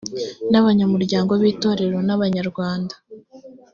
ni abanyamuryango b itorero n abanyarwanda